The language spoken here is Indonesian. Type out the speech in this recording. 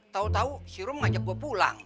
tahu tahu si rom ngajak gue pulang